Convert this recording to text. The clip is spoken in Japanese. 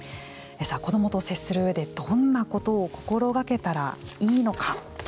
子どもと接する上でどんなことを心がけたらいいのか。